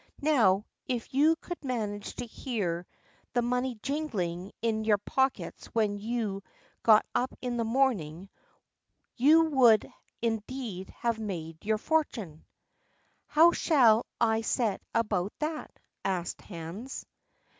"Now, if you could manage to hear the money jingling in your pockets when you got up in the morning, you would indeed have made your fortune." "How shall I set about that?" asked Hans.